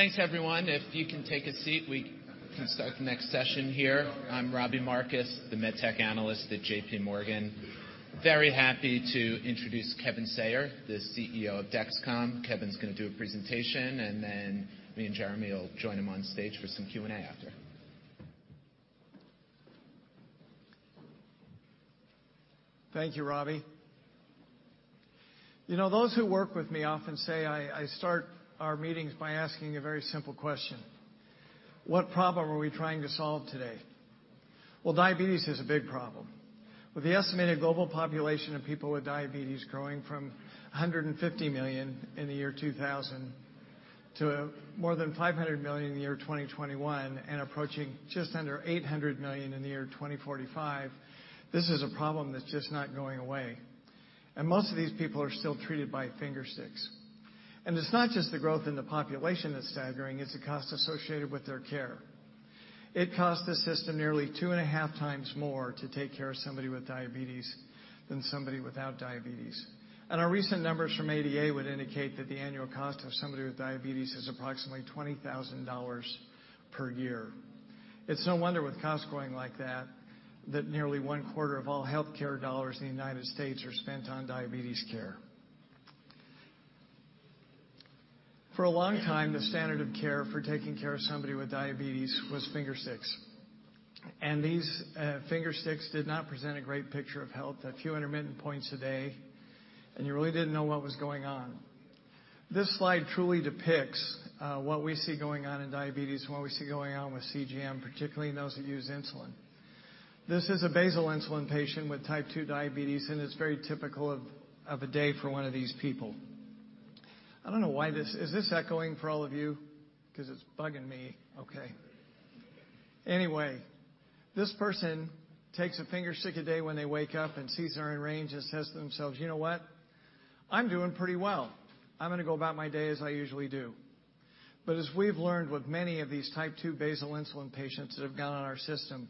Thanks, everyone. If you can take a seat, we can start the next session here. I'm Robbie Marcus, the med tech analyst at J.P. Morgan. Very happy to introduce Kevin Sayer, the CEO of Dexcom. Kevin's gonna do a presentation, and then me and Jereme will join him on stage for some Q&A after. Thank you, Robbie. You know, those who work with me often say I start our meetings by asking a very simple question: What problem are we trying to solve today? Well, diabetes is a big problem. With the estimated global population of people with diabetes growing from 150 million in the year 2000, to more than 500 million in the year 2021, and approaching just under 800 million in the year 2045, this is a problem that's just not going away. Most of these people are still treated by finger sticks. It's not just the growth in the population that's staggering, it's the cost associated with their care. It costs the system nearly 2.5 times more to take care of somebody with diabetes than somebody without diabetes. Our recent numbers from ADA would indicate that the annual cost of somebody with diabetes is approximately $20,000 per year. It's no wonder, with costs going like that, that nearly one quarter of all healthcare dollars in the United States are spent on diabetes care. For a long time, the standard of care for taking care of somebody with diabetes was finger sticks, and these finger sticks did not present a great picture of health. A few intermittent points a day, and you really didn't know what was going on. This slide truly depicts what we see going on in diabetes and what we see going on with CGM, particularly in those who use insulin. This is a basal insulin patient with Type 2 diabetes, and it's very typical of a day for one of these people. I don't know why this... Is this echoing for all of you? 'Cause it's bugging me. Okay. Anyway, this person takes a finger stick a day when they wake up and sees they're in range and says to themselves, "You know what? I'm doing pretty well. I'm gonna go about my day as I usually do." But as we've learned with many of these Type 2 basal insulin patients that have got on our system,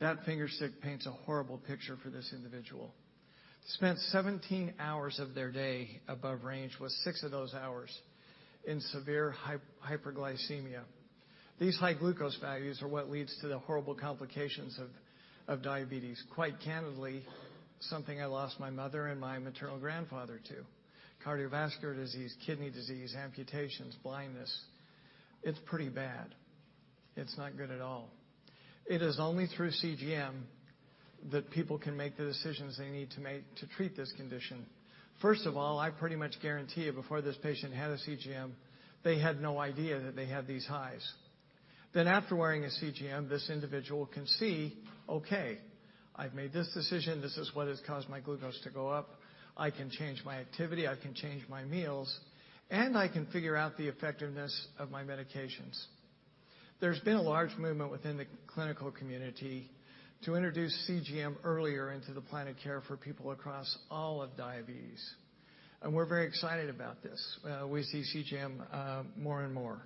that finger stick paints a horrible picture for this individual. Spent 17 hours of their day above range, with 6 of those hours in severe hyperglycemia. These high glucose values are what leads to the horrible complications of, of diabetes. Quite candidly, something I lost my mother and my maternal grandfather to. Cardiovascular disease, kidney disease, amputations, blindness. It's pretty bad. It's not good at all. It is only through CGM that people can make the decisions they need to make to treat this condition. First of all, I pretty much guarantee you, before this patient had a CGM, they had no idea that they had these highs. Then, after wearing a CGM, this individual can see, "Okay, I've made this decision. This is what has caused my glucose to go up. I can change my activity, I can change my meals, and I can figure out the effectiveness of my medications." There's been a large movement within the clinical community to introduce CGM earlier into the plan of care for people across all of diabetes, and we're very excited about this. We see CGM more and more,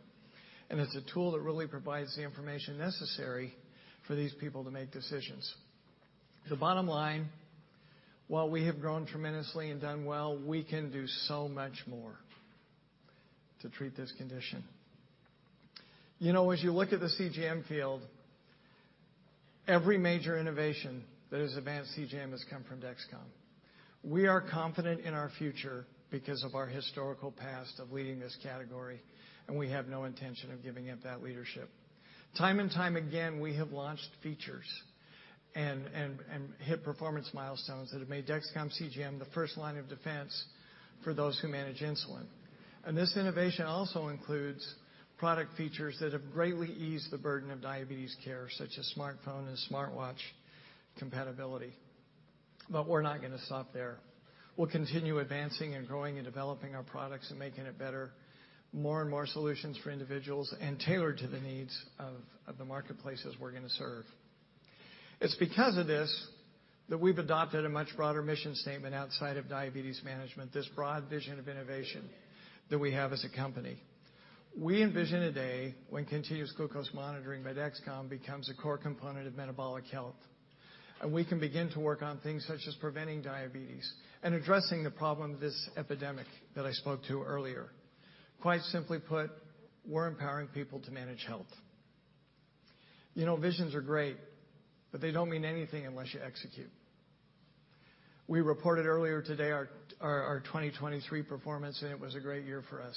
and it's a tool that really provides the information necessary for these people to make decisions. The bottom line, while we have grown tremendously and done well, we can do so much more to treat this condition. You know, as you look at the CGM field, every major innovation that has advanced CGM has come from Dexcom. We are confident in our future because of our historical past of leading this category, and we have no intention of giving up that leadership. Time and time again, we have launched features and hit performance milestones that have made Dexcom CGM the first line of defense for those who manage insulin. And this innovation also includes product features that have greatly eased the burden of diabetes care, such as smartphone and smartwatch compatibility. But we're not gonna stop there. We'll continue advancing and growing and developing our products and making it better, more and more solutions for individuals, and tailored to the needs of, of the marketplaces we're gonna serve. It's because of this, that we've adopted a much broader mission statement outside of diabetes management, this broad vision of innovation that we have as a company. We envision a day when continuous glucose monitoring by Dexcom becomes a core component of metabolic health, and we can begin to work on things such as preventing diabetes and addressing the problem of this epidemic that I spoke to earlier. Quite simply put, we're empowering people to manage health. You know, visions are great, but they don't mean anything unless you execute. We reported earlier today our 2023 performance, and it was a great year for us.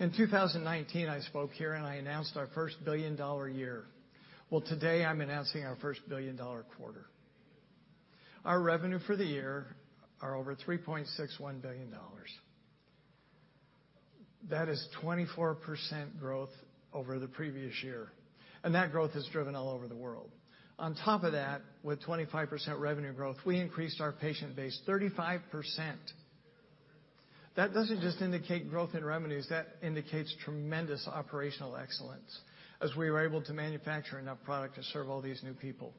In 2019, I spoke here, and I announced our first billion-dollar year. Well, today I'm announcing our first billion-dollar quarter. Our revenue for the year are over $3.61 billion. That is 24% growth over the previous year, and that growth is driven all over the world. On top of that, with 25% revenue growth, we increased our patient base 35%. That doesn't just indicate growth in revenues, that indicates tremendous operational excellence, as we were able to manufacture enough product to serve all these new people.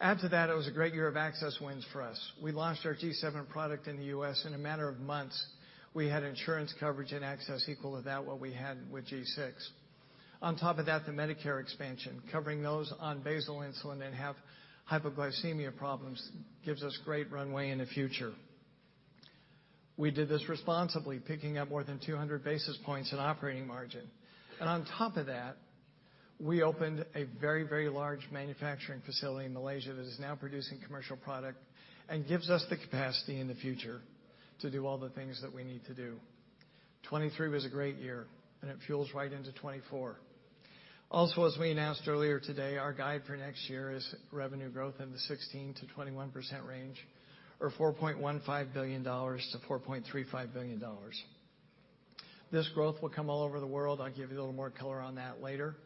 Add to that, it was a great year of access wins for us. We launched our G7 product in the U.S. In a matter of months, we had insurance coverage and access equal to that what we had with G6. On top of that, the Medicare expansion, covering those on basal insulin and have hypoglycemia problems, gives us great runway in the future. We did this responsibly, picking up more than 200 basis points in operating margin. And on top of that, we opened a very, very large manufacturing facility in Malaysia that is now producing commercial product and gives us the capacity in the future to do all the things that we need to do. 2023 was a great year, and it fuels right into 2024. Also, as we announced earlier today, our guide for next year is revenue growth in the 16%-21% range, or $4.15 billion-$4.35 billion. This growth will come all over the world. I'll give you a little more color on that later.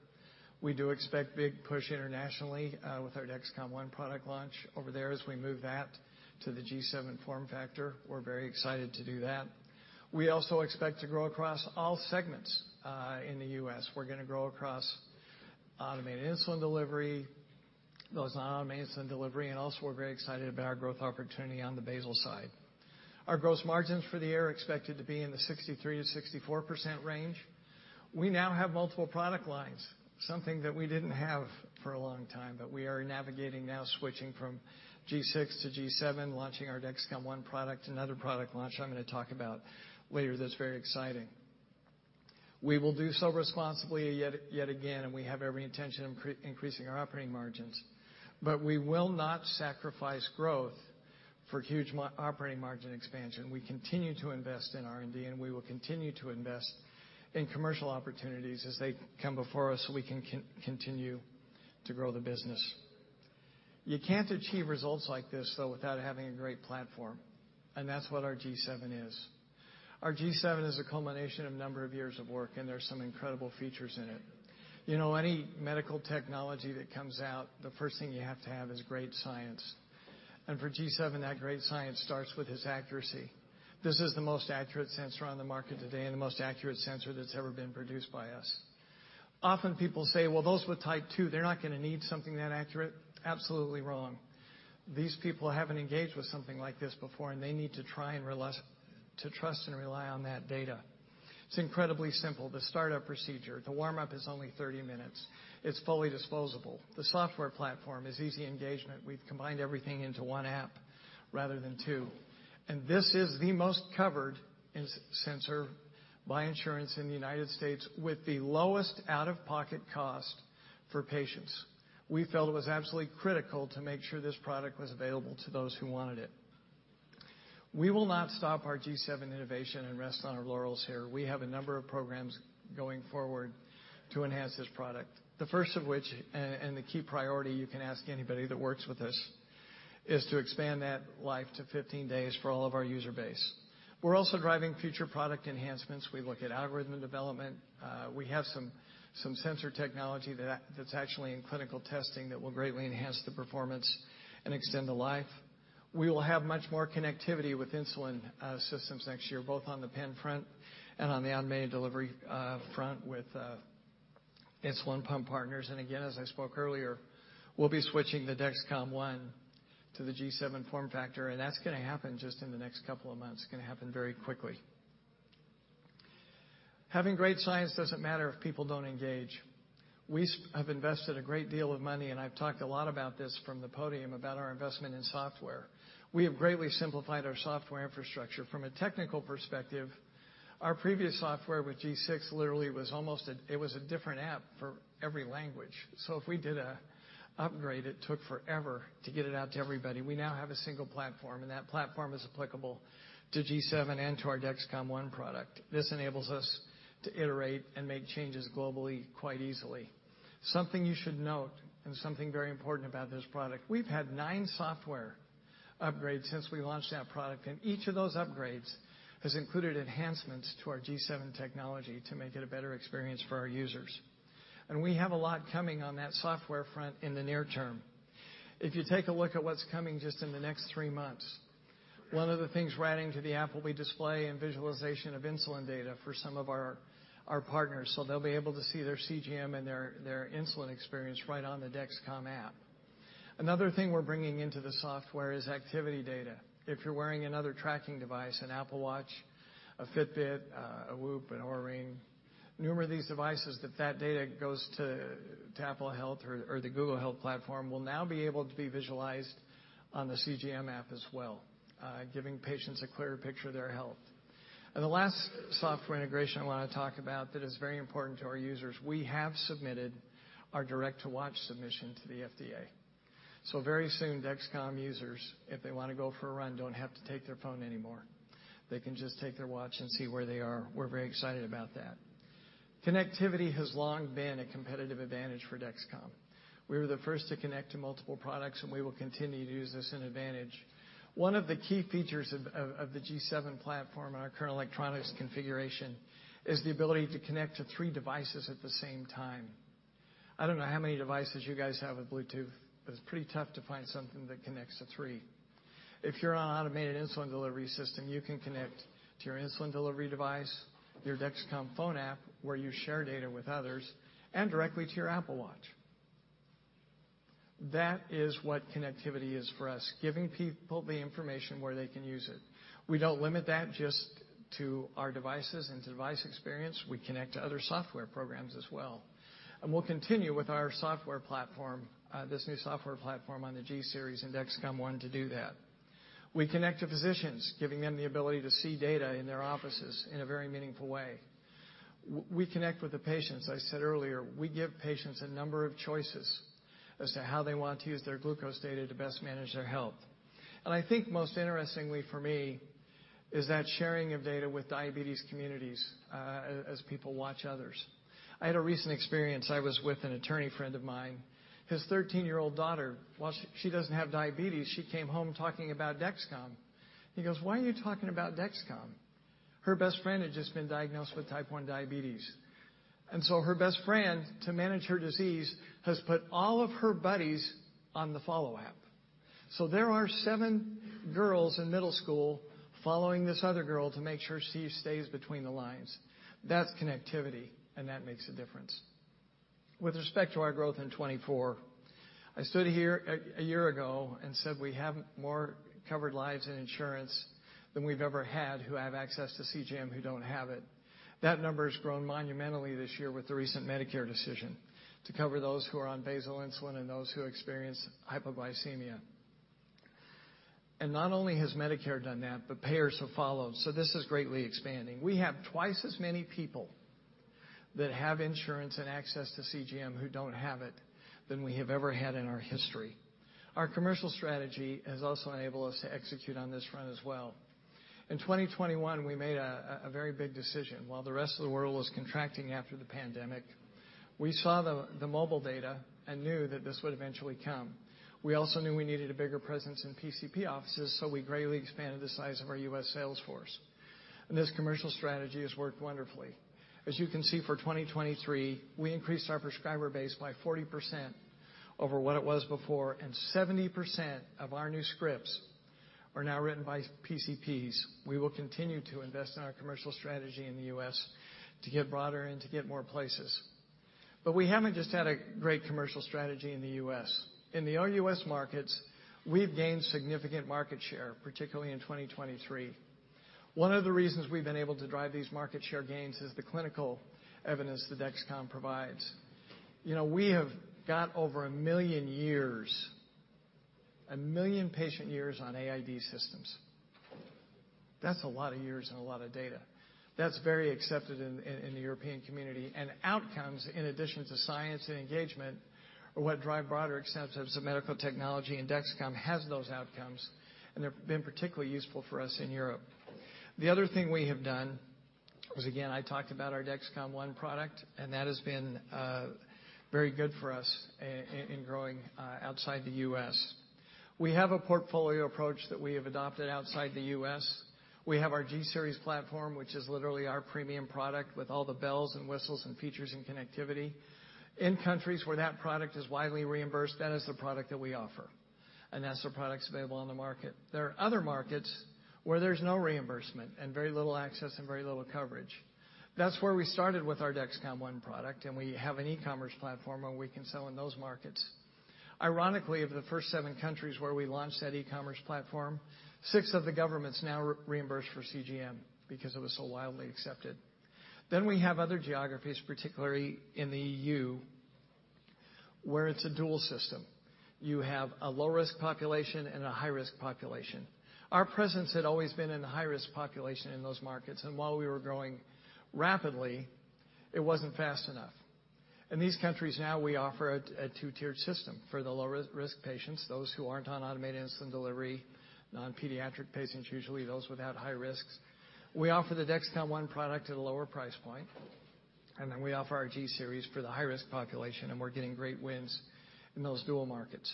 We do expect big push internationally with our Dexcom ONE product launch over there as we move that to the G7 form factor. We're very excited to do that. We also expect to grow across all segments in the U.S. We're gonna grow across automated insulin delivery, those non-automated insulin delivery, and also, we're very excited about our growth opportunity on the basal side. Our gross margins for the year are expected to be in the 63%-64% range. We now have multiple product lines, something that we didn't have for a long time, but we are navigating now, switching from G6 to G7, launching our Dexcom ONE product, another product launch I'm gonna talk about later. That's very exciting. We will do so responsibly yet again, and we have every intention of increasing our operating margins. But we will not sacrifice growth for huge margin operating margin expansion. We continue to invest in R&D, and we will continue to invest in commercial opportunities as they come before us, so we can continue to grow the business. You can't achieve results like this, though, without having a great platform, and that's what our G7 is. Our G7 is a culmination of a number of years of work, and there are some incredible features in it. You know, any medical technology that comes out, the first thing you have to have is great science. And for G7, that great science starts with its accuracy. This is the most accurate sensor on the market today and the most accurate sensor that's ever been produced by us. Often people say, "Well, those with Type 2, they're not gonna need something that accurate." Absolutely wrong. These people haven't engaged with something like this before, and they need to try and to trust and rely on that data. It's incredibly simple, the startup procedure. The warm-up is only 30 minutes. It's fully disposable. The software platform is easy engagement. We've combined everything into one app rather than two. And this is the most covered sensor by insurance in the United States, with the lowest out-of-pocket cost for patients. We felt it was absolutely critical to make sure this product was available to those who wanted it. We will not stop our G7 innovation and rest on our laurels here. We have a number of programs going forward to enhance this product. The first of which, and the key priority, you can ask anybody that works with us, is to expand that life to 15 days for all of our user base. We're also driving future product enhancements. We look at algorithm development. We have some sensor technology that's actually in clinical testing that will greatly enhance the performance and extend the life. We will have much more connectivity with insulin systems next year, both on the pen front and on the automated delivery front with insulin pump partners. And again, as I spoke earlier, we'll be switching the Dexcom ONE to the G7 form factor, and that's gonna happen just in the next couple of months. It's gonna happen very quickly. Having great science doesn't matter if people don't engage. We've invested a great deal of money, and I've talked a lot about this from the podium, about our investment in software. We have greatly simplified our software infrastructure. From a technical perspective, our previous software with G6 literally was almost—it was a different app for every language. So if we did an upgrade, it took forever to get it out to everybody. We now have a single platform, and that platform is applicable to G7 and to our Dexcom ONE product. This enables us to iterate and make changes globally quite easily. Something you should note, and something very important about this product, we've had nine software upgrades since we launched that product, and each of those upgrades has included enhancements to our G7 technology to make it a better experience for our users. And we have a lot coming on that software front in the near term. If you take a look at what's coming just in the next three months, one of the things right into the app will be display and visualization of insulin data for some of our, our partners, so they'll be able to see their CGM and their, their insulin experience right on the Dexcom app. Another thing we're bringing into the software is activity data. If you're wearing another tracking device, an Apple Watch, a Fitbit, a Whoop, an Oura Ring, numerous of these devices, that that data goes to, to Apple Health or, or the Google Health platform, will now be able to be visualized on the CGM app as well, giving patients a clearer picture of their health. The last software integration I want to talk about that is very important to our users, we have submitted our Direct-to-Watch submission to the FDA. So very soon, Dexcom users, if they want to go for a run, don't have to take their phone anymore. They can just take their watch and see where they are. We're very excited about that. Connectivity has long been a competitive advantage for Dexcom. We were the first to connect to multiple products, and we will continue to use this to our advantage. One of the key features of the G7 platform and our current electronics configuration is the ability to connect to three devices at the same time. I don't know how many devices you guys have with Bluetooth, but it's pretty tough to find something that connects to three. If you're on an automated insulin delivery system, you can connect to your insulin delivery device, your Dexcom phone app, where you share data with others, and directly to your Apple Watch. That is what connectivity is for us, giving people the information where they can use it. We don't limit that just to our devices and device experience, we connect to other software programs as well, and we'll continue with our software platform, this new software platform on the G-Series and Dexcom ONE to do that. We connect to physicians, giving them the ability to see data in their offices in a very meaningful way. We connect with the patients. I said earlier, we give patients a number of choices as to how they want to use their glucose data to best manage their health. I think most interestingly for me is that sharing of data with diabetes communities, as people watch others. I had a recent experience. I was with an attorney friend of mine, his 13-year-old daughter, while she, she doesn't have diabetes, she came home talking about Dexcom. He goes: "Why are you talking about Dexcom?" Her best friend had just been diagnosed with Type 1 diabetes. And so her best friend, to manage her disease, has put all of her buddies on the Follow app. So there are 7 girls in middle school following this other girl to make sure she stays between the lines. That's connectivity, and that makes a difference. With respect to our growth in 2024, I stood here a, a year ago and said we have more covered lives in insurance than we've ever had, who have access to CGM, who don't have it. That number has grown monumentally this year with the recent Medicare decision to cover those who are on basal insulin and those who experience hypoglycemia. Not only has Medicare done that, but payers have followed, so this is greatly expanding. We have twice as many people that have insurance and access to CGM, who don't have it, than we have ever had in our history. Our commercial strategy has also enabled us to execute on this front as well. In 2021, we made a very big decision. While the rest of the world was contracting after the pandemic, we saw the mobile data and knew that this would eventually come. We also knew we needed a bigger presence in PCP offices, so we greatly expanded the size of our U.S. sales force. This commercial strategy has worked wonderfully. As you can see, for 2023, we increased our prescriber base by 40% over what it was before, and 70% of our new scripts are now written by PCPs. We will continue to invest in our commercial strategy in the U.S. to get broader and to get more places. But we haven't just had a great commercial strategy in the U.S. In the OUS markets, we've gained significant market share, particularly in 2023. One of the reasons we've been able to drive these market share gains is the clinical evidence that Dexcom provides. You know, we have got over 1 million years, 1 million patient years on AID systems. That's a lot of years and a lot of data. That's very accepted in the European community. And outcomes, in addition to science and engagement, are what drive broader acceptance of medical technology, and Dexcom has those outcomes, and they've been particularly useful for us in Europe. The other thing we have done is, again, I talked about our Dexcom ONE product, and that has been very good for us in growing outside the US. We have a portfolio approach that we have adopted outside the US. We have our G-Series platform, which is literally our premium product, with all the bells and whistles and features and connectivity. In countries where that product is widely reimbursed, that is the product that we offer, and that's the products available on the market. There are other markets where there's no reimbursement and very little access and very little coverage. That's where we started with our Dexcom ONE product, and we have an e-commerce platform where we can sell in those markets. Ironically, of the first seven countries where we launched that e-commerce platform, six of the governments now reimburse for CGM because it was so wildly accepted. Then we have other geographies, particularly in the EU, where it's a dual system. You have a low-risk population and a high-risk population. Our presence had always been in the high-risk population in those markets, and while we were growing rapidly, it wasn't fast enough. In these countries now, we offer a two-tiered system for the low-risk patients, those who aren't on automated insulin delivery, non-pediatric patients, usually those without high risks. We offer the Dexcom ONE product at a lower price point, and then we offer our G-Series for the high-risk population, and we're getting great wins in those dual markets.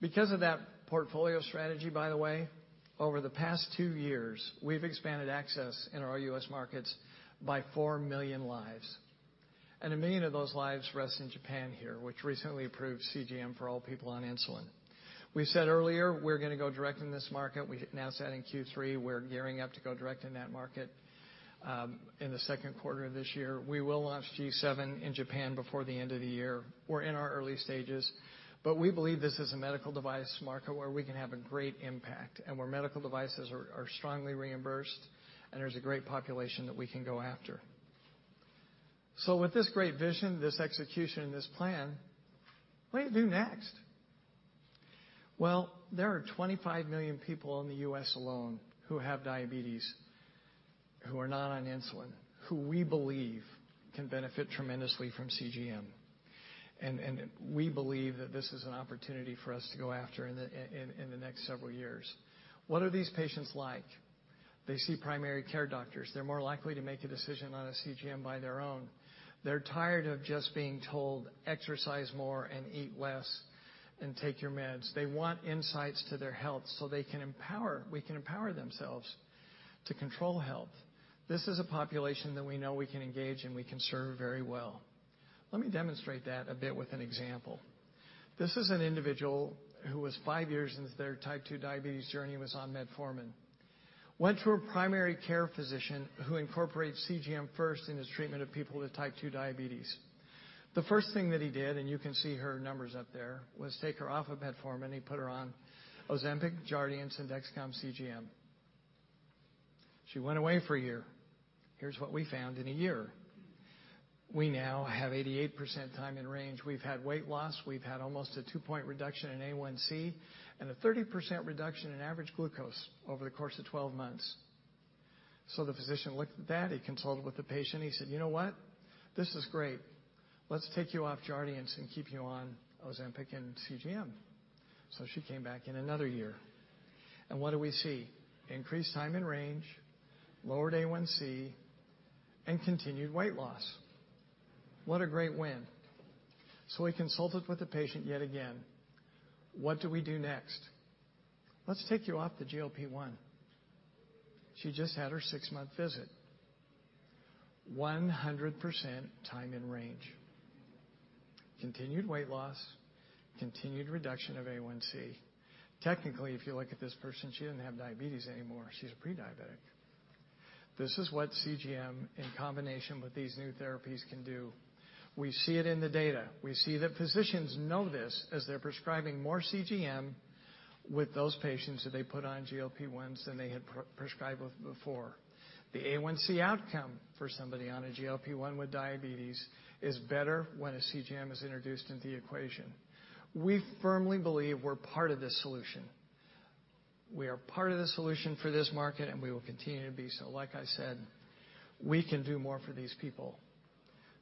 Because of that portfolio strategy, by the way, over the past 2 years, we've expanded access in our U.S. markets by 4 million lives, and 1 million of those lives rest in Japan here, which recently approved CGM for all people on insulin. We said earlier, we're gonna go direct in this market. We announced that in Q3, we're gearing up to go direct in that market, in the second quarter of this year. We will launch G7 in Japan before the end of the year. We're in our early stages, but we believe this is a medical device market where we can have a great impact and where medical devices are strongly reimbursed, and there's a great population that we can go after. So with this great vision, this execution and this plan, what do you do next? Well, there are 25 million people in the U.S. alone who have diabetes, who are not on insulin, who we believe can benefit tremendously from CGM. And we believe that this is an opportunity for us to go after in the next several years. What are these patients like? They see primary care doctors. They're more likely to make a decision on a CGM by their own. They're tired of just being told, "Exercise more and eat less and take your meds." They want insights to their health so they can empower -- we can empower themselves to control health. This is a population that we know we can engage and we can serve very well. Let me demonstrate that a bit with an example. This is an individual who was 5 years into their Type 2 diabetes journey, was on metformin. Went to a primary care physician, who incorporates CGM first in his treatment of people with Type 2 Diabetes. The first thing that he did, and you can see her numbers up there, was take her off of metformin, and he put her on Ozempic, Jardiance, and Dexcom CGM. She went away for a year. Here's what we found in a year. We now have 88% Time in Range. We've had weight loss. We've had almost a 2-point reduction in A1C and a 30% reduction in average glucose over the course of 12 months. So the physician looked at that, he consulted with the patient, and he said, "You know what? This is great. Let's take you off Jardiance and keep you on Ozempic and CGM." So she came back in another year, and what do we see? Increased Time in Range, lowered A1C, and continued weight loss. What a great win! So we consulted with the patient yet again. What do we do next? Let's take you off the GLP-1. She just had her six-month visit. 100% time in range, continued weight loss, continued reduction of A1C. Technically, if you look at this person, she doesn't have diabetes anymore. She's a pre-diabetic. This is what CGM, in combination with these new therapies, can do. We see it in the data. We see that physicians know this as they're prescribing more CGM with those patients that they put on GLP-1s than they had prescribed before. The A1C outcome for somebody on a GLP-1 with diabetes is better when a CGM is introduced into the equation. We firmly believe we're part of this solution. We are part of the solution for this market, and we will continue to be so. Like I said, we can do more for these people.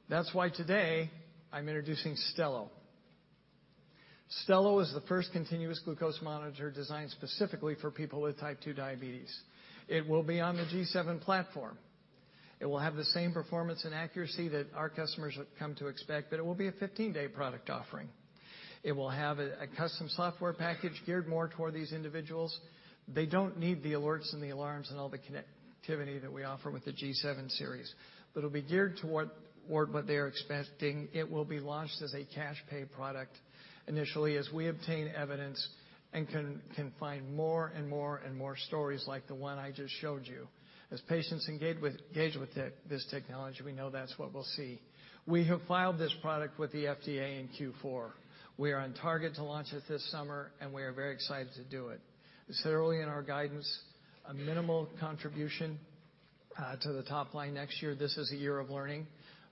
That's why today I'm introducing Stelo. Stelo is the first continuous glucose monitor designed specifically for people with Type 2 diabetes. It will be on the G7 platform. It will have the same performance and accuracy that our customers have come to expect, but it will be a 15-day product offering. It will have a custom software package geared more toward these individuals. They don't need the alerts and the alarms and all the connectivity that we offer with the G7 series, but it'll be geared toward what they are expecting. It will be launched as a cash pay product initially, as we obtain evidence and can find more and more and more stories like the one I just showed you. As patients engage with this technology, we know that's what we'll see. We have filed this product with the FDA in Q4. We are on target to launch it this summer, and we are very excited to do it. It's early in our guidance, a minimal contribution to the top line next year. This is a year of learning,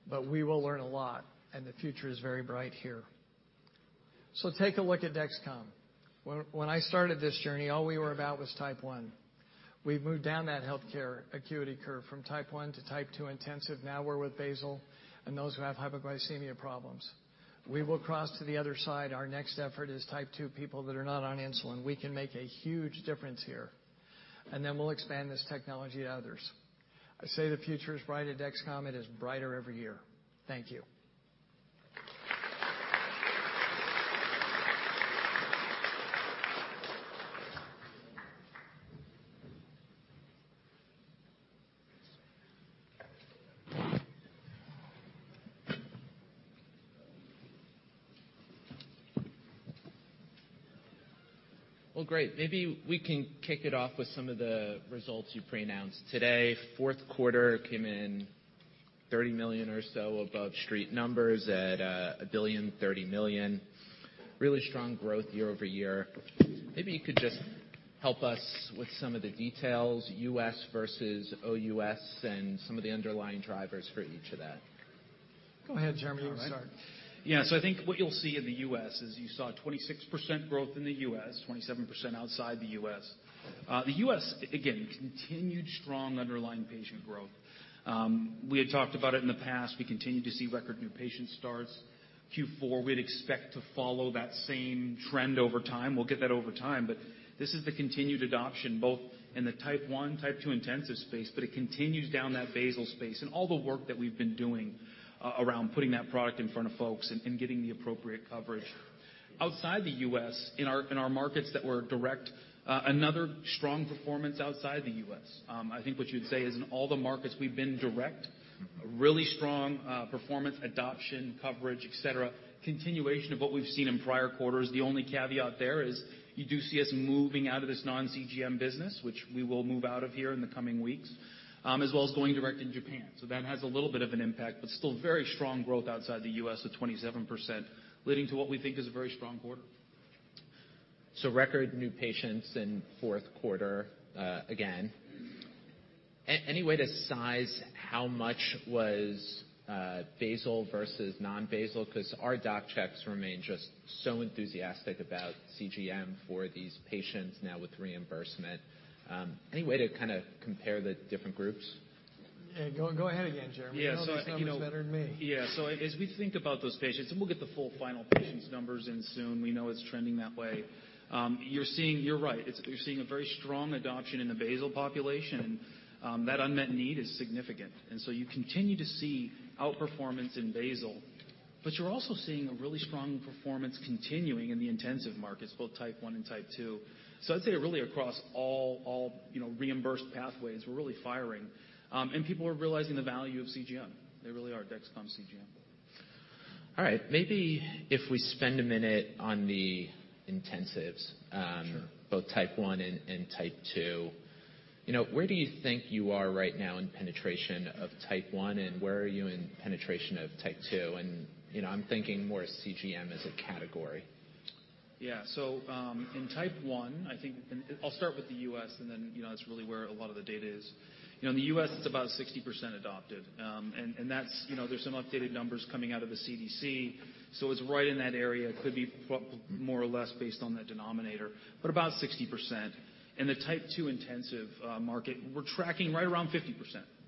but we will learn a lot, and the future is very bright here. So take a look at Dexcom. When I started this journey, all we were about was Type 1. We've moved down that healthcare acuity curve from Type 1 to Type 2 intensive. Now we're with basal and those who have hypoglycemia problems. We will cross to the other side. Our next effort is Type 2 people that are not on insulin. We can make a huge difference here, and then we'll expand this technology to others. I say the future is bright at Dexcom. It is brighter every year. Thank you. Well, great. Maybe we can kick it off with some of the results you preannounced today. Fourth quarter came in $30 million or so above street numbers at $1.03 billion. Really strong growth year-over-year. Maybe you could just help us with some of the details, US versus OUS, and some of the underlying drivers for each of that. Go ahead, Jereme. You can start. All right. Yeah, so I think what you'll see in the U.S. is you saw 26% growth in the U.S., 27% outside the U.S. The U.S., again, continued strong underlying patient growth. We had talked about it in the past. We continue to see record new patient starts. Q4, we'd expect to follow that same trend over time. We'll get that over time, but this is the continued adoption, both in the Type 1, Type 2 intensive space, but it continues down that basal space and all the work that we've been doing around putting that product in front of folks and getting the appropriate coverage. Outside the U.S., in our markets that were direct, another strong performance outside the U.S. I think what you'd say is in all the markets we've been direct, a really strong, performance, adoption, coverage, et cetera, continuation of what we've seen in prior quarters. The only caveat there is you do see us moving out of this non-CGM business, which we will move out of here in the coming weeks, as well as going direct in Japan. So that has a little bit of an impact, but still very strong growth outside the U.S. at 27%, leading to what we think is a very strong quarter. So record new patients in fourth quarter, again. Any way to size how much was basal versus non-basal? Because our docs remain just so enthusiastic about CGM for these patients now with reimbursement. Any way to kinda compare the different groups? Yeah. Go, go ahead again, Jereme. Yeah. You know these numbers better than me. Yeah. So as we think about those patients, and we'll get the full final patients numbers in soon, we know it's trending that way. You're seeing... You're right. You're seeing a very strong adoption in the basal population. That unmet need is significant, and so you continue to see outperformance in basal, but you're also seeing a really strong performance continuing in the intensive markets, both Type 1 and Type 2. So I'd say really across all, all, you know, reimbursed pathways, we're really firing, and people are realizing the value of CGM. They really are, Dexcom CGM. All right. Maybe if we spend a minute on the intensives- Sure. Both Type 1 and Type 2. You know, where do you think you are right now in penetration of Type 1, and where are you in penetration of Type 2? You know, I'm thinking more CGM as a category.... Yeah. So, in Type 1, I think, and I'll start with the U.S., and then, you know, that's really where a lot of the data is. You know, in the U.S., it's about 60% adopted. And, and that's, you know, there's some updated numbers coming out of the CDC, so it's right in that area. Could be pro-- more or less based on that denominator, but about 60%. In the Type 2 intensive, market, we're tracking right around 50%.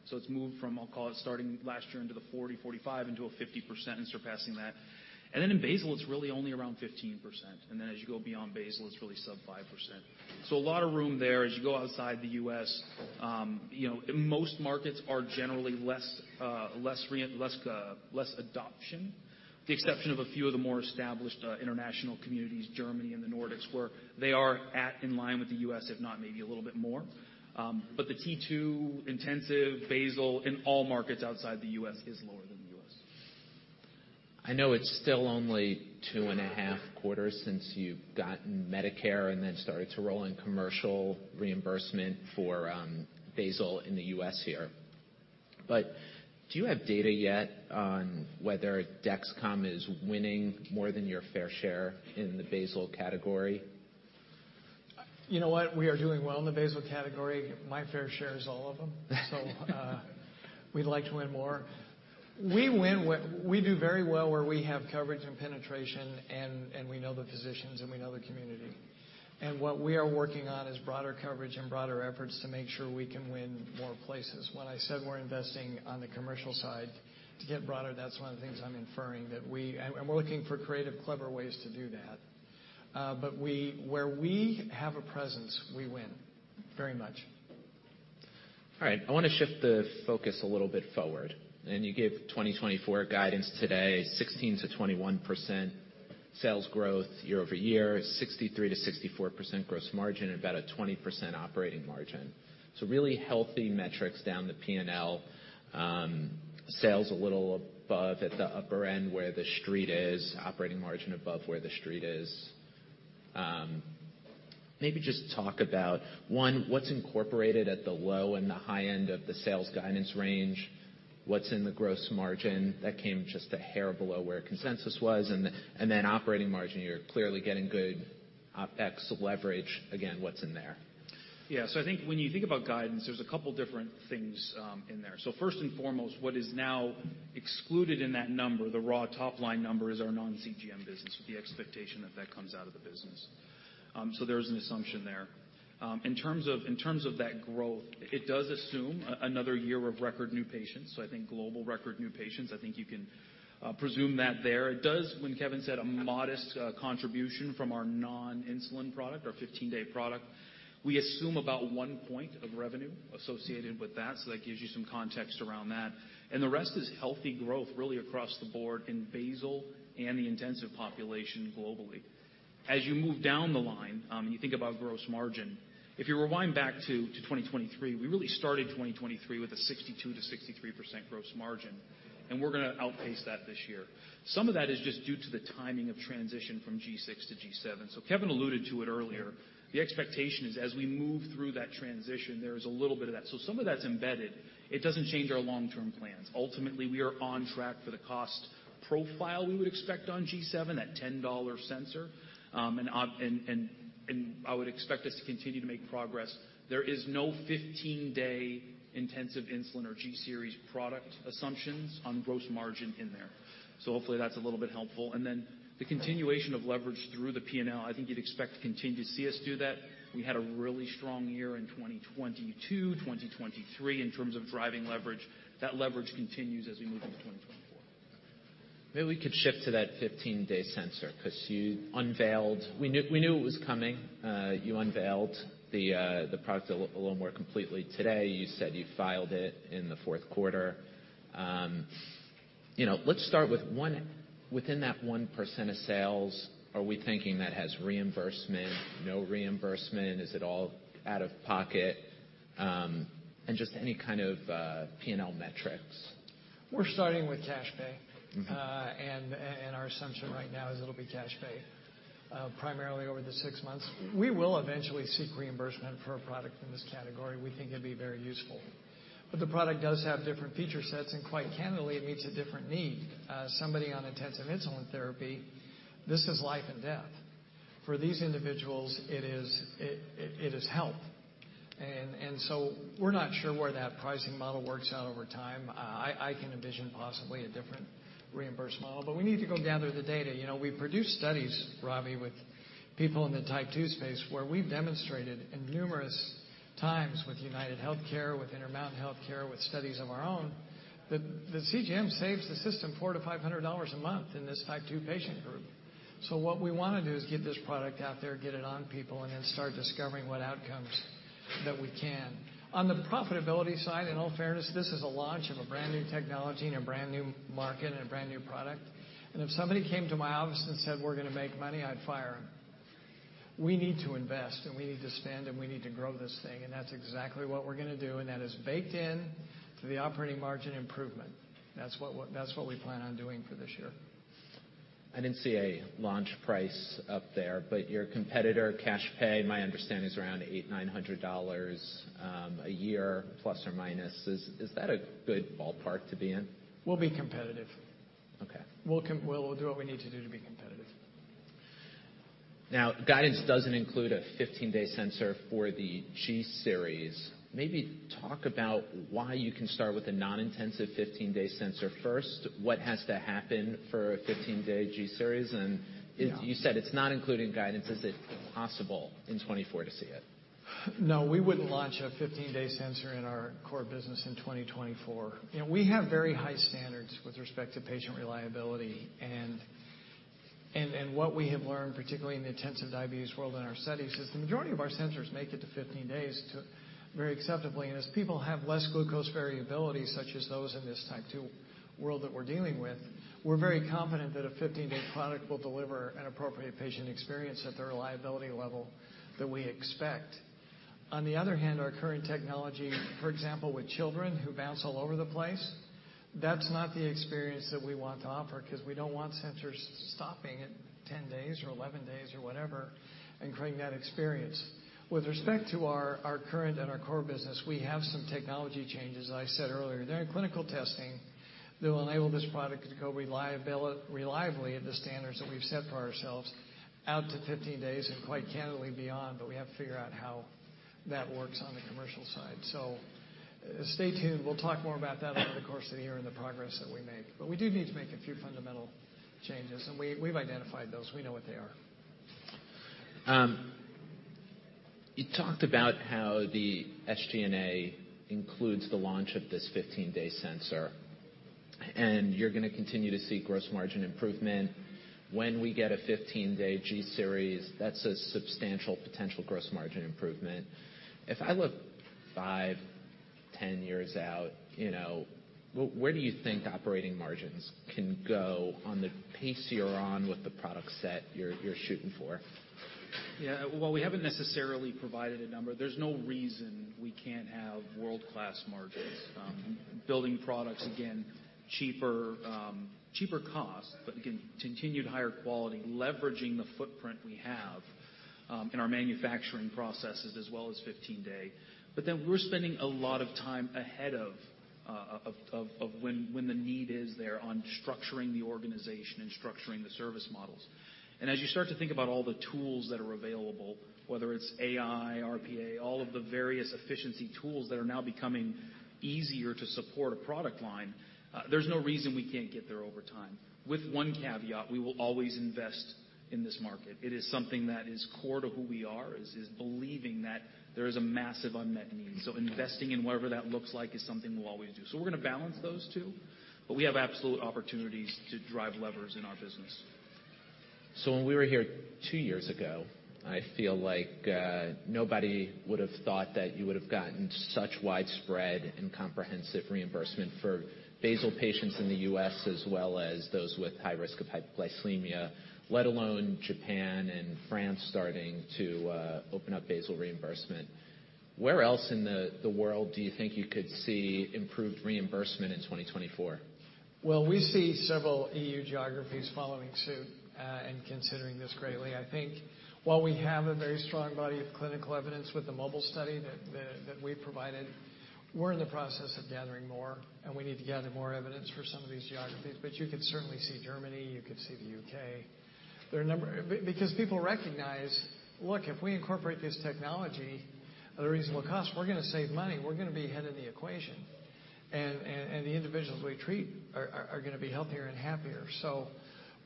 So it's moved from, I'll call it, starting last year into the 40, 45, into a 50% and surpassing that. And then in basal, it's really only around 15%, and then as you go beyond basal, it's really sub 5%. So a lot of room there as you go outside the U.S. You know, most markets are generally less adoption, with the exception of a few of the more established international communities, Germany and the Nordics, where they are at in line with the US, if not maybe a little bit more. But the T2 intensive basal in all markets outside the US is lower than the US. I know it's still only two and a half quarters since you've gotten Medicare and then started to roll in commercial reimbursement for basal in the U.S. here. But do you have data yet on whether Dexcom is winning more than your fair share in the basal category? You know what? We are doing well in the basal category. My fair share is all of them. So, we'd like to win more. We do very well where we have coverage and penetration, and we know the physicians, and we know the community. And what we are working on is broader coverage and broader efforts to make sure we can win more places. When I said we're investing on the commercial side to get broader, that's one of the things I'm inferring, that we... And we're looking for creative, clever ways to do that. But where we have a presence, we win, very much. All right, I want to shift the focus a little bit forward. You gave 2024 guidance today, 16%-21% sales growth year-over-year, 63%-64% gross margin, and about a 20% operating margin. So really healthy metrics down the P&L. Sales a little above at the upper end, where the Street is, operating margin above where the Street is. Maybe just talk about, one, what's incorporated at the low and the high end of the sales guidance range? What's in the gross margin? That came just a hair below where consensus was. Then operating margin, you're clearly getting good OpEx leverage. Again, what's in there? Yeah, so I think when you think about guidance, there's a couple different things in there. So first and foremost, what is now excluded in that number, the raw top-line number, is our non-CGM business, with the expectation that that comes out of the business. So there is an assumption there. In terms of that growth, it does assume another year of record new patients, so I think global record new patients. I think you can presume that there. It does, when Kevin said, a modest contribution from our non-insulin product, our 15-day product. We assume about 1 point of revenue associated with that, so that gives you some context around that. And the rest is healthy growth, really across the board in basal and the intensive population globally. As you move down the line, and you think about gross margin, if you rewind back to 2023, we really started 2023 with a 62%-63% gross margin, and we're gonna outpace that this year. Some of that is just due to the timing of transition from G6 to G7. So Kevin alluded to it earlier. The expectation is, as we move through that transition, there is a little bit of that. So some of that's embedded. It doesn't change our long-term plans. Ultimately, we are on track for the cost profile we would expect on G7, that $10 sensor. And I would expect us to continue to make progress. There is no 15-day intensive insulin or G-series product assumptions on gross margin in there. So hopefully, that's a little bit helpful. Then the continuation of leverage through the P&L, I think you'd expect to continue to see us do that. We had a really strong year in 2022, 2023, in terms of driving leverage. That leverage continues as we move into 2024. Maybe we could shift to that 15-day sensor, 'cause you unveiled... We knew, we knew it was coming. You unveiled the product a little more completely today. You said you filed it in the fourth quarter. You know, let's start with one within that 1% of sales, are we thinking that has reimbursement, no reimbursement? Is it all out of pocket? And just any kind of P&L metrics. We're starting with cash pay. Mm-hmm. And our assumption right now is it'll be cash pay, primarily over the six months. We will eventually seek reimbursement for a product in this category. We think it'd be very useful. But the product does have different feature sets, and quite candidly, it meets a different need. Somebody on intensive insulin therapy, this is life and death. For these individuals, it is health. And so we're not sure where that pricing model works out over time. I can envision possibly a different reimbursement model, but we need to go gather the data. You know, we produce studies, Robbie, with people in the Type 2 space, where we've demonstrated in numerous times with UnitedHealthcare, with Intermountain Health, with studies of our own, that the CGM saves the system $400-$500 a month in this Type 2 patient group. So what we wanna do is get this product out there, get it on people, and then start discovering what outcomes that we can. On the profitability side, in all fairness, this is a launch of a brand-new technology in a brand-new market and a brand-new product, and if somebody came to my office and said, "We're gonna make money," I'd fire them. We need to invest, and we need to spend, and we need to grow this thing, and that's exactly what we're gonna do, and that is baked in to the operating margin improvement. That's what we plan on doing for this year. I didn't see a launch price up there, but your competitor, cash pay, my understanding is around $800-$900 a year, plus or minus. Is that a good ballpark to be in? We'll be competitive. Okay. We'll do what we need to do to be competitive.... Now, guidance doesn't include a 15-day sensor for the G-Series. Maybe talk about why you can start with a non-intensive 15-day sensor first. What has to happen for a 15-day G-Series? And- Yeah. You said it's not included in guidance. Is it possible in 2024 to see it? No, we wouldn't launch a 15-day sensor in our core business in 2024. You know, we have very high standards with respect to patient reliability, and what we have learned, particularly in the intensive diabetes world in our studies, is the majority of our sensors make it to 15 days very acceptably. And as people have less glucose variability, such as those in this Type 2 world that we're dealing with, we're very confident that a 15-day product will deliver an appropriate patient experience at the reliability level that we expect. On the other hand, our current technology, for example, with children who bounce all over the place, that's not the experience that we want to offer, 'cause we don't want sensors stopping at 10 days or 11 days or whatever, and creating that experience. With respect to our, our current and our core business, we have some technology changes, as I said earlier. They're in clinical testing that will enable this product to go reliably at the standards that we've set for ourselves out to 15 days, and quite candidly, beyond, but we have to figure out how that works on the commercial side. So stay tuned. We'll talk more about that over the course of the year and the progress that we make. But we do need to make a few fundamental changes, and we, we've identified those. We know what they are. You talked about how the SG&A includes the launch of this 15-day sensor, and you're gonna continue to see gross margin improvement. When we get a 15-day G-Series, that's a substantial potential gross margin improvement. If I look 5, 10 years out, you know, where do you think operating margins can go on the pace you're on with the product set you're shooting for? Yeah, well, we haven't necessarily provided a number. There's no reason we can't have world-class margins. Building products, again, cheaper, cheaper cost, but again, continued higher quality, leveraging the footprint we have in our manufacturing processes as well as 15-day. But then we're spending a lot of time ahead of when the need is there on structuring the organization and structuring the service models. And as you start to think about all the tools that are available, whether it's AI, RPA, all of the various efficiency tools that are now becoming easier to support a product line, there's no reason we can't get there over time. With one caveat, we will always invest in this market. It is something that is core to who we are, believing that there is a massive unmet need. Investing in whatever that looks like is something we'll always do. We're gonna balance those two, but we have absolute opportunities to drive levers in our business. So when we were here two years ago, I feel like nobody would have thought that you would have gotten such widespread and comprehensive reimbursement for basal patients in the U.S., as well as those with high risk of hypoglycemia, let alone Japan and France starting to open up basal reimbursement. Where else in the world do you think you could see improved reimbursement in 2024? Well, we see several E.U. geographies following suit, and considering this greatly. I think while we have a very strong body of clinical evidence with the MOBILE study that we provided, we're in the process of gathering more, and we need to gather more evidence for some of these geographies. But you could certainly see Germany, you could see the U.K. Because people recognize, look, if we incorporate this technology at a reasonable cost, we're gonna save money. We're gonna be ahead of the equation, and the individuals we treat are gonna be healthier and happier. So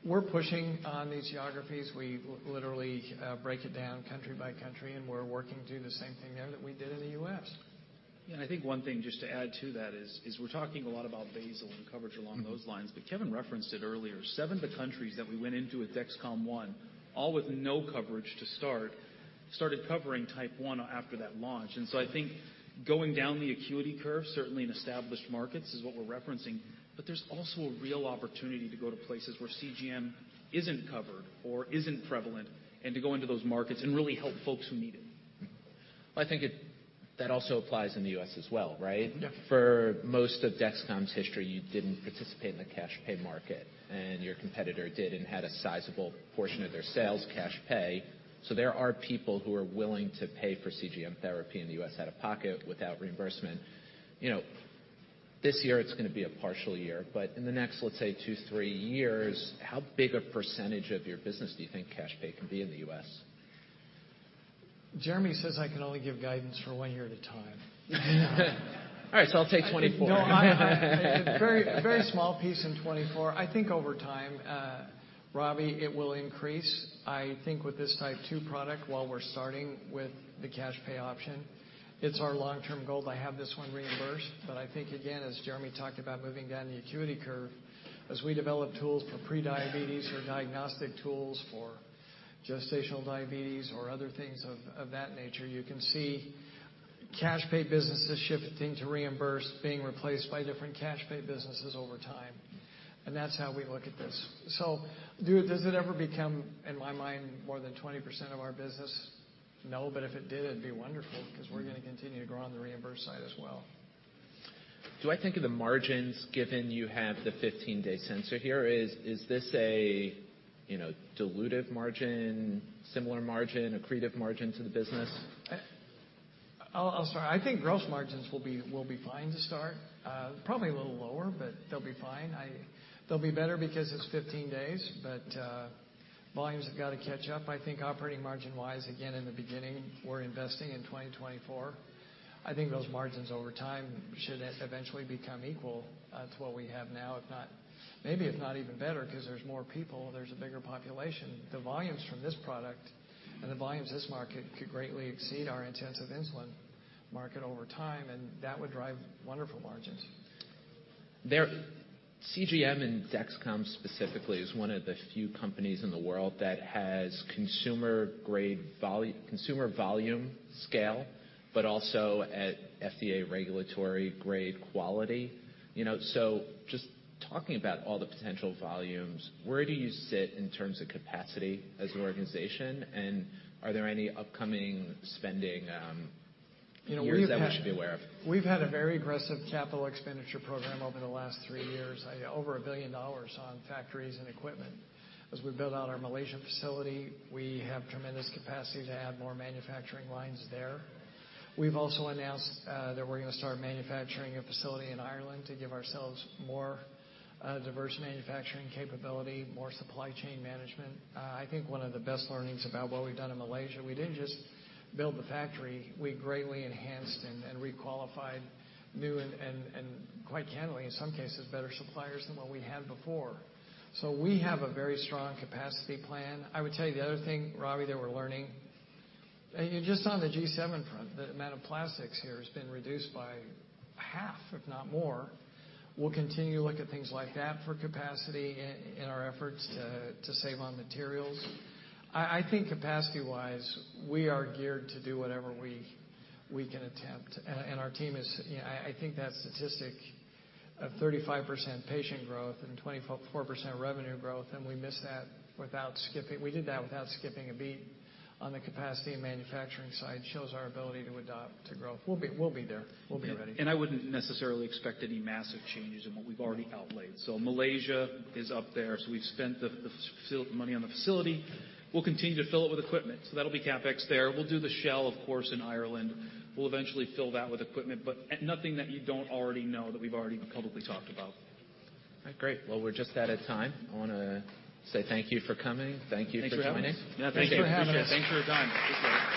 we're pushing on these geographies. We literally break it down country by country, and we're working to do the same thing there that we did in the U.S. Yeah, and I think one thing, just to add to that, is we're talking a lot about basal and coverage along those lines, but Kevin referenced it earlier. Seven of the countries that we went into with Dexcom ONE, all with no coverage to start, started covering Type 1 after that launch. And so I think going down the acuity curve, certainly in established markets, is what we're referencing, but there's also a real opportunity to go to places where CGM isn't covered or isn't prevalent, and to go into those markets and really help folks who need it. Well, I think that also applies in the U.S. as well, right? Yeah. For most of Dexcom's history, you didn't participate in the cash pay market, and your competitor did and had a sizable portion of their sales cash pay. So there are people who are willing to pay for CGM therapy in the US, out of pocket, without reimbursement. You know, this year it's gonna be a partial year, but in the next, let's say, two, three years, how big a percentage of your business do you think cash pay can be in the US? Jereme says I can only give guidance for one year at a time. All right, so I'll take 24. No, I... Very, very small piece in 2024. I think over time, Robbie, it will increase. I think with this Type 2 product, while we're starting with the cash pay option, it's our long-term goal to have this one reimbursed. But I think, again, as Jereme talked about, moving down the acuity curve, as we develop tools for pre-diabetes or diagnostic tools for gestational diabetes or other things of that nature, you can see cash pay businesses shifting to reimbursed, being replaced by different cash pay businesses over time, and that's how we look at this. So does it ever become, in my mind, more than 20% of our business? No, but if it did, it'd be wonderful, 'cause we're gonna continue to grow on the reimbursed side as well. Do I think of the margins given you have the 15-day sensor here? Is this a, you know, dilutive margin, similar margin, accretive margin to the business?... I'll start. I think gross margins will be fine to start, probably a little lower, but they'll be fine. They'll be better because it's 15 days, but volumes have got to catch up. I think operating margin wise, again, in the beginning, we're investing in 2024. I think those margins over time should eventually become equal to what we have now, if not, maybe if not even better, because there's more people, there's a bigger population. The volumes from this product and the volumes of this market could greatly exceed our intensive insulin market over time, and that would drive wonderful margins. CGM and Dexcom, specifically, is one of the few companies in the world that has consumer-grade volume scale, but also at FDA regulatory-grade quality. You know, so just talking about all the potential volumes, where do you sit in terms of capacity as an organization? And are there any upcoming spending areas that we should be aware of? We've had a very aggressive capital expenditure program over the last three years, over $1 billion on factories and equipment. As we build out our Malaysian facility, we have tremendous capacity to add more manufacturing lines there. We've also announced that we're going to start manufacturing a facility in Ireland to give ourselves more diverse manufacturing capability, more supply chain management. I think one of the best learnings about what we've done in Malaysia, we didn't just build the factory, we greatly enhanced and requalified new and quite candidly, in some cases, better suppliers than what we had before. So we have a very strong capacity plan. I would tell you the other thing, Robbie, that we're learning, just on the G7 front, the amount of plastics here has been reduced by half, if not more. We'll continue to look at things like that for capacity in our efforts to save on materials. I think capacity-wise, we are geared to do whatever we can attempt, and our team is. I think that statistic of 35% patient growth and 24% revenue growth, we did that without skipping a beat on the capacity and manufacturing side, shows our ability to adapt to growth. We'll be there, we'll be ready. I wouldn't necessarily expect any massive changes in what we've already outlaid. So Malaysia is up there, so we've spent the money on the facility. We'll continue to fill it with equipment, so that'll be CapEx there. We'll do the shell, of course, in Ireland. We'll eventually fill that with equipment, but nothing that you don't already know, that we've already publicly talked about. All right, great. Well, we're just out of time. I want to say thank you for coming. Thank you for joining. Thanks for having us. Thanks for having us. Thanks for your time.